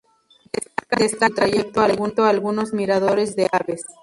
Destacan en su trayecto algunos miradores de aves.